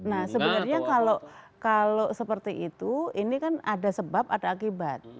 nah sebenarnya kalau seperti itu ini kan ada sebab ada akibat